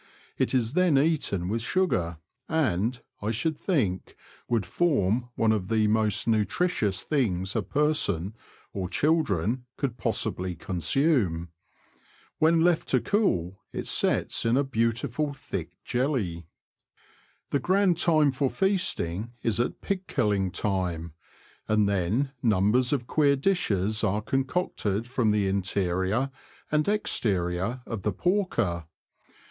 It is then eaten with sugar, and, I should think, would form one of the most nutritious things a person (or children) could possibly consume. When left to cool, it sets in a beautiful thick jelly. 266 THE LAND OF THE BROADS. The grand time for feasting is at pig killing time, and then numbers of queer dishes are concocted from the interior and exterior of the porker.